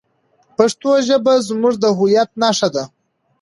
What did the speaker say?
پښتو ژبه زموږ د هویت نښه ده.